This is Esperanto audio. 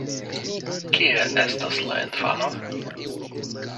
Kie estas la infano?